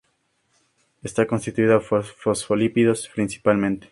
Está constituida por fosfolípidos principalmente.